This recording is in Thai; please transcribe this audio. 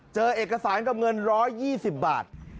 เจอเอกสารกับเงิน๑๒๐บาท